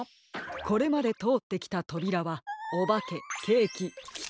これまでとおってきたとびらはおばけケーキきって。